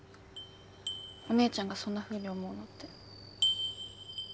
お姉ちゃんがそんなふうに思うのって。